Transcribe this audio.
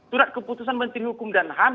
surat keputusan menteri hukum dan ham